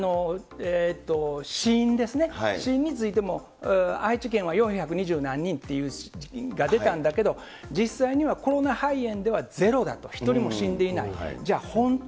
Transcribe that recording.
死因ですね、死因についても愛知県は四百二十何人と、出たんだけど、実際にはコロナ肺炎ではゼロだと、肺炎では死んでいない。